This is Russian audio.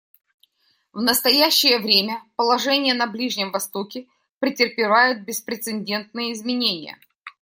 В настоящее время положение на Ближнем Востоке претерпевает беспрецедентные изменения.